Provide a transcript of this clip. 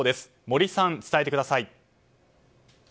森さん、伝えてください。